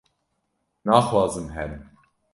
naxwazim herim